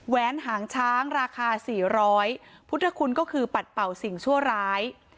แว้นหางช้างราคาสี่ร้อยพุทธคุณก็คือปัดเป่าสิ่งชั่วร้าย